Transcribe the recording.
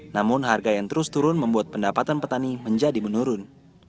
namun harga yang terus turun membuat pendapatan petani menjadi menurun